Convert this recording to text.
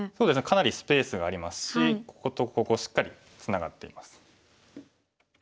かなりスペースがありますしこことここしっかりツナがっています。